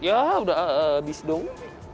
ya udah abis dong